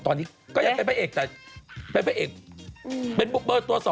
ตอนนี้ก็ยังเป็นพระเอกแต่เป็นพระเอกเป็นเบอร์ตัว๒